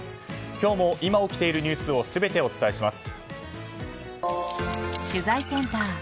今日も今起きているニュースを全てお伝えします。